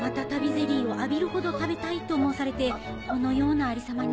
ゼリーを浴びるほど食べたいと申されてこのようなありさまに。